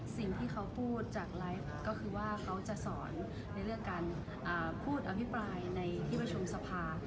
สิ่งที่เขาพูดจากไลฟ์ก็คือว่าเขาจะสอนในเรื่องการพูดอภิปรายในที่ประชุมสภา